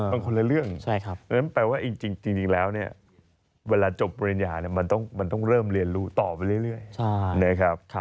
เพราะฉะนั้นแปลว่าจริงแล้วเวลาจบปริญญามันต้องเริ่มเรียนรู้ต่อไปเรื่อย